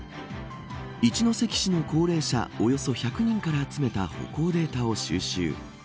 一関市の高齢者およそ１００人から集めた歩行データを収集。